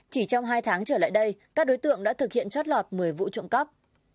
chỉ trong hai tháng trở lại đây các đối tượng đã thực hiện trót lọt một mươi vụ trộm cắp